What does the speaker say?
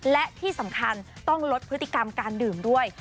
และที่สำคัญต้องลดพฤติกรรมการดื่มด้วย